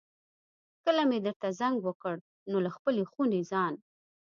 کله مې درته زنګ وکړ نو له خپلې خونې ځان.